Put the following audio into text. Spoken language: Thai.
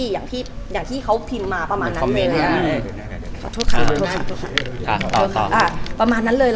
อย่างที่เขาปินมาประมาณนั้นเลย